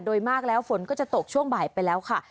โดยมากแล้วฝนก็จะตกช่วงบ่ายไปแล้วค่ะ